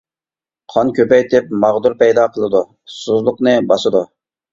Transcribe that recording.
قان كۆپەيتىپ ماغدۇر پەيدا قىلىدۇ، ئۇسسۇزلۇقنى باسىدۇ.